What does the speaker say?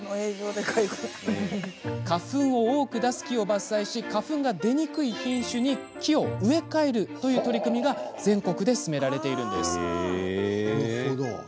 花粉を多く出す木を伐採し花粉が出にくい品種に木を植え替える取り組みが全国で進められています。